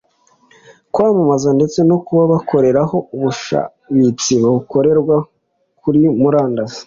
kwamamaza ndetse no kuba bakoreraho ubushabitsi bukorerwa kuri murandasi